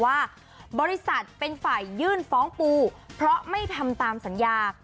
ว่าบริษัทเป็นฝ่ายยื่นฟ้องปูเพราะไม่ทำตามสัญญา